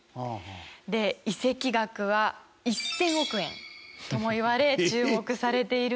で移籍額は１０００億円ともいわれ注目されているんです。